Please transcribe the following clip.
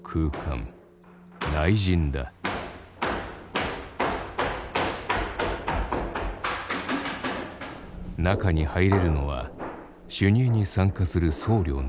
中に入れるのは修二会に参加する僧侶のみ。